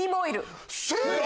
正解！